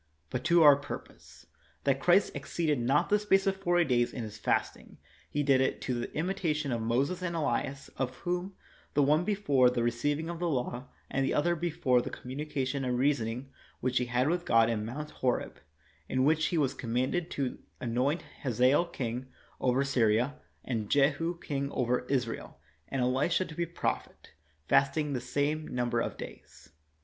But to our purpose: that Christ exceeded not the space of forty days in His fasting, He did it to the imitation of Moses and Elias ; of whom, the one before the receiving of the law, and the other before the communication and reasoning which he had with God in Mount Horeb, in which he was commanded to anoint Hazael king over Syria, and Jehu king over Israel, and Elisha to be prophet, fasted the same number of days.